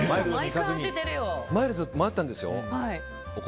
マイルドと迷ったんですよ。